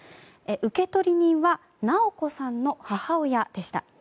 受取人は直子さんの母親でした。